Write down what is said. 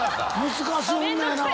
「難しい女やなぁ」